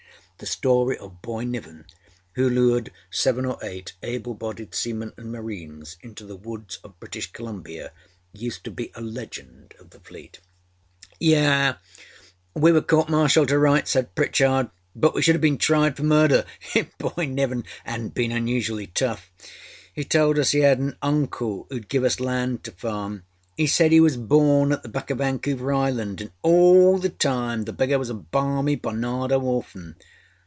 The story of Boy Niven who lured seven or eight able bodied seamen and marines into the woods of British Columbia used to be a legend of the Fleet. âYes, we were court martialled to rights,â said Pritchard, âbut we should have been tried for murder if Boy Niven âadnât been unusually tough. He told us he had an uncle âooâd give us land to farm. âE said he was born at the back oâ Vancouver Island, and all the time the beggar was a balmy Barnado Orphan!